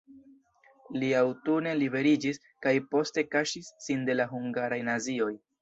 Li aŭtune liberiĝis kaj poste kaŝis sin de la hungaraj nazioj.